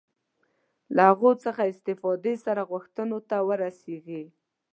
له هغوی څخه استفادې سره غوښتنو ته ورسېږي.